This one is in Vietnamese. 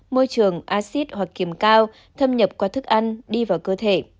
môi trường acid hoặc kiềm cao thâm nhập qua thức ăn đi vào cơ thể